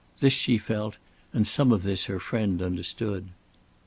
This she felt and some of this her friend understood.